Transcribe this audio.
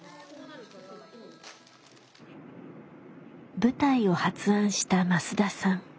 舞台を発案した増田さん。